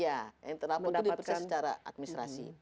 ya yang terlapor itu diproses secara administrasi